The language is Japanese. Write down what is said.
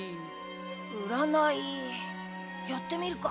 うらないやってみるか。